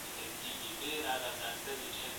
زه به خپل زکات سبا ورکړم.